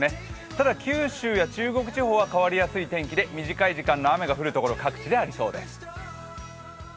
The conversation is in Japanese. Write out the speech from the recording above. ただ九州や中国地方は変わりやすい天気で短い時間の雨が降るところ、各地でありそうです。